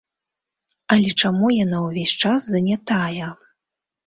Але чаму яна ўвесь час занятая?